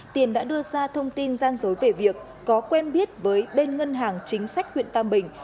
tiền đã đưa ra thông tin gian dối về việc có quen biết với bên ngân hàng chính sách huyện tam bình